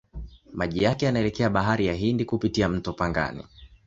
Maji yake yanaelekea Bahari ya Hindi kupitia mto Pangani.